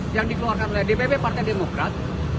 yang dikeluarkan oleh dpp partai demokrat